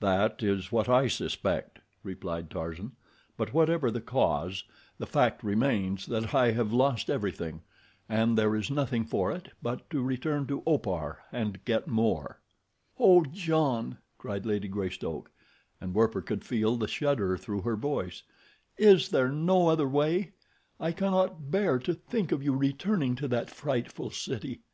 "That is what I suspect," replied Tarzan; "but whatever the cause, the fact remains that I have lost everything, and there is nothing for it but to return to Opar and get more." "Oh, John," cried Lady Greystoke, and Werper could feel the shudder through her voice, "is there no other way? I cannot bear to think of you returning to that frightful city.